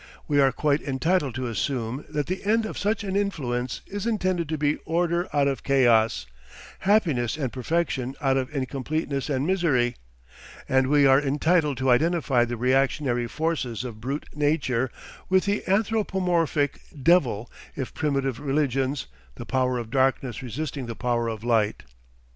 We are quite entitled to assume that the end of such an influence is intended to be order out of chaos, happiness and perfection out of incompleteness and misery; and we are entitled to identify the reactionary forces of brute Nature with the anthropomorphic Devil of primitive religions, the power of darkness resisting the power of light.